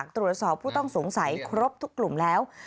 ตรวจสอบผู้ต้องสงสัยครบทุกกลุ่มแล้ว